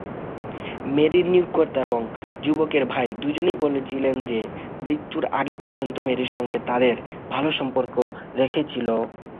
মেরির নিয়োগকর্তা এবং যুবকের ভাই দুজনেই বলেছিলেন যে, মৃত্যুর আগে পর্যন্ত মেরির সঙ্গে তাঁদের ভাল সম্পর্ক রেখেছিল।